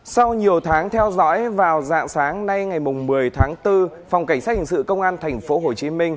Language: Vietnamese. sau nhiều tháng theo dõi vào dạng sáng nay ngày một mươi tháng bốn phòng cảnh sát hình sự công an tp hcm